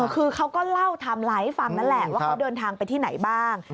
คือเขาก็เล่าไทม์ไลน์ให้ฟังนั่นแหละว่าเขาเดินทางไปที่ไหนบ้าง